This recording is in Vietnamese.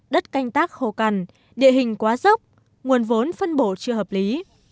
đất canh tác khô cằn địa hình quá dốc nguồn vốn phân bổ chưa hợp lý